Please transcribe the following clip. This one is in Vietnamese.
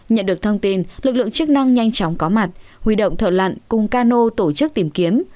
nhận được thông tin lực lượng chức năng nhanh chóng có mặt huy động thợ lặn cùng cano tổ chức tìm kiếm